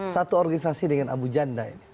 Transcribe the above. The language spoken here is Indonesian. satu organisasi dengan abu janda ini